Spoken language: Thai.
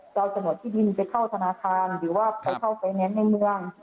จะเอาโฉนดที่ดินไปเข้าธนาคารหรือว่าไปเข้าไปแนนซ์ในเมือง